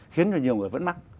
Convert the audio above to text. khiến cho nhiều người vẫn mắc